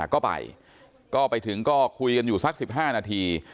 ก็ไปก็ไปถึงก็คุยกันอยู่สัก๑๕นาที